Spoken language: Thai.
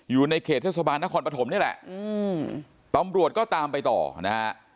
อยู่ในเขตเทศบาลนครปฐมนี่แหละอืมตำรวจก็ตามไปต่อนะฮะ